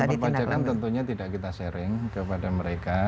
kalau data perpajakan tentunya tidak kita sharing kepada mereka